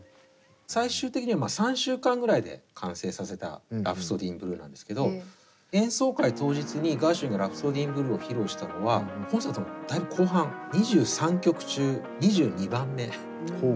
最終的には３週間ぐらいで完成させた「ラプソディー・イン・ブルー」なんですけど演奏会当日にガーシュウィンが「ラプソディー・イン・ブルー」を披露したのはコンサートのだいぶ後半２３曲中２２番目とかだったみたいなんです。